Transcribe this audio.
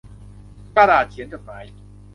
กระดาษเขียนจดหมาย